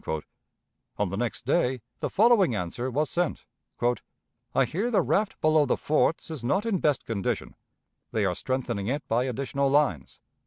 On the next day the following answer was sent: "I hear the raft below the forts is not in best condition; they are strengthening it by additional lines.